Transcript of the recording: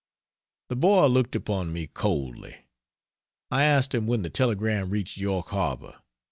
The boy looked upon me coldly. I asked him when the telegram reached York Harbor.